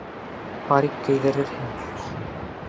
Парик кейҙерерһең!